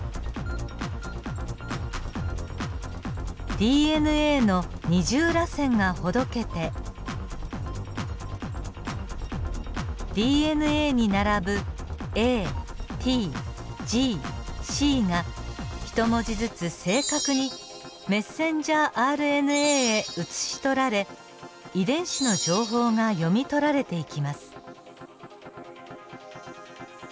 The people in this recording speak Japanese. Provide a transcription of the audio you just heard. ＤＮＡの二重らせんがほどけてＤＮＡに並ぶＡＴＧＣが１文字ずつ正確にｍＲＮＡへ写し取られ遺伝子の情報が読み取られていきます。